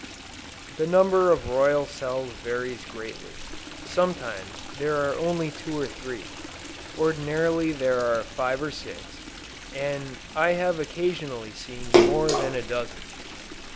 The number of royal cells varies greatly; sometimes there are only two or three, ordinarily there are five or six, and I have occasionally seen more than a dozen.